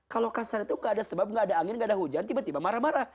kalau kasar itu gak ada sebab nggak ada angin nggak ada hujan tiba tiba marah marah